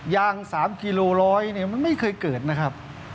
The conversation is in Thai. ยาง๓กิโลร้อยเนี่ยมันไม่เคยเกิดนะครับ